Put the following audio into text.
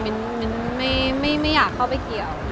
มิ้นไม่อยากเข้าไปเกี่ยว